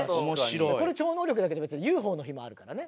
これ超能力だけどＵＦＯの日もあるからね。